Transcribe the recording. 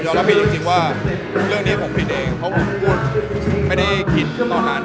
รับผิดจริงว่าเรื่องนี้ผมผิดเองเพราะผมพูดไม่ได้คิดตอนนั้น